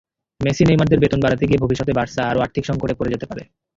মেসি-নেইমারদের বেতন বাড়াতে গিয়ে ভবিষ্যতে বার্সা আরও আর্থিক সংকটে পড়ে যেতে পারে।